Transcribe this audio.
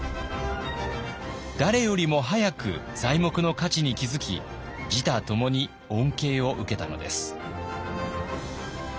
誰よりも早く材木の価値に気づき自他ともに恩恵を受けたのです。